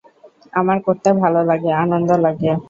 আমার করতে ভালো লাগে, আনন্দ লাগে।